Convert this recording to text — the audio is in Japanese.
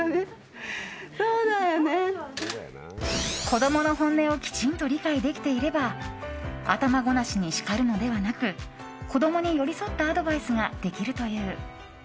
子供の本音をきちんと理解できていれば頭ごなしに叱るのではなく子供に寄り添ったアドバイスができるという。